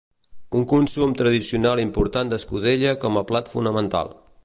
Un consum tradicional important d'escudella com a plat fonamental